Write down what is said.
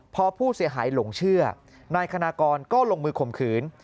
พอผู้เสียหายหลงเชื่อนายคณากรก็ลงมือข่มขืน